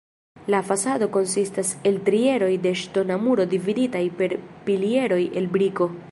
La fasado konsistas el tri eroj de ŝtona muro dividitaj per pilieroj el briko.